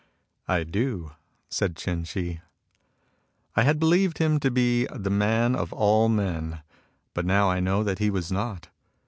"I do," said Ch'in Shih. "I had believed him to be the man of all men, but now I know that he was not.